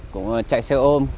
cũng chạy xe ôm